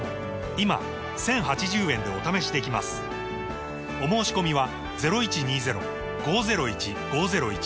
今 １，０８０ 円でお試しできますお申込みは